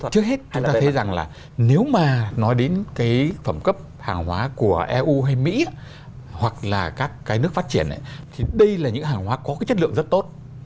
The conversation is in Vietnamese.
trước hết chúng ta thấy rằng là nếu mà nói đến cái phẩm cấp hàng hóa của eu hay mỹ hoặc là các cái nước phát triển thì đây là những hàng hóa có cái chất lượng rất tốt